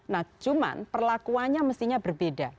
nah cuman perlakuannya mestinya berbeda